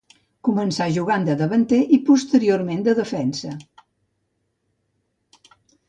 Començà jugant de davanter i posteriorment de defensa.